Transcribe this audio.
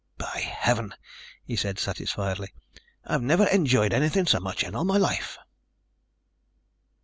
"By Heaven," he said satisfiedly, "I've never enjoyed anything so much in all my life."